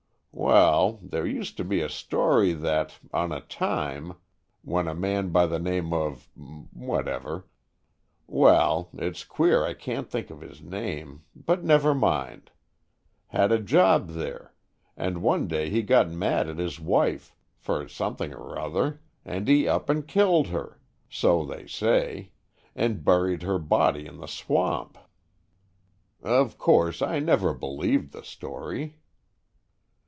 Wal, there uster be a story thet, on a time, when a man by the name of , wal, it's queer I can't think of his name— but never mind — had a job there and one day he got mad at his wife for suthing or ruther and he up and killed her, so they say, and buried her body in the swamp. Of course I never believed the story.